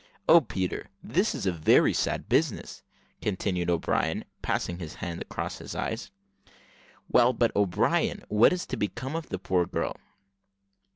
Oh, Peter! this is a very sad business," continued O'Brien, passing his hand across his eyes. "Well, but, O'Brien, what is to become of the poor girl?"